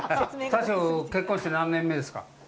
大将、結婚して何年目ですか。